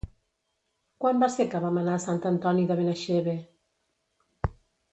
Quan va ser que vam anar a Sant Antoni de Benaixeve?